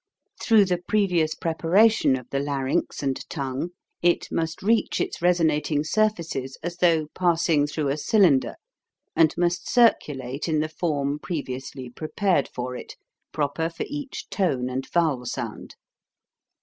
Through the previous preparation of the larynx and tongue, it must reach its reso nating surfaces as though passing through a cylinder, and must circulate in the form pre viously prepared for it, proper for each tone and vowel sound.